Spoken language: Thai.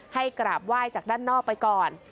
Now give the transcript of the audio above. กราบไหว้จากด้านนอกไปก่อน